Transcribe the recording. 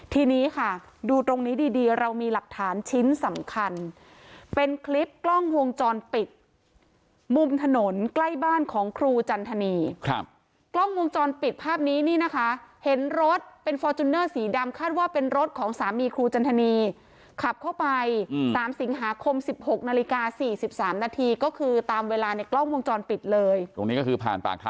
ทีนี้ค่ะดูตรงนี้ดีดีเรามีหลักฐานชิ้นสำคัญเป็นคลิปกล้องวงจรปิดมุมถนนใกล้บ้านของครูจันทนีครับกล้องวงจรปิดภาพนี้นี่นะคะเห็นรถเป็นฟอร์จูเนอร์สีดำคาดว่าเป็นรถของสามีครูจันทนีขับเข้าไป๓สิงหาคม๑๖นาฬิกา๔๓นาทีก็คือตามเวลาในกล้องวงจรปิดเลยตรงนี้ก็คือผ่านปากท